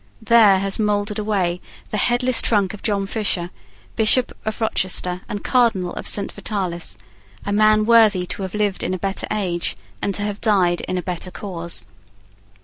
There has mouldered away the headless trunk of John Fisher, Bishop of Rochester and Cardinal of Saint Vitalis, a man worthy to have lived in a better age and to have died in a better cause.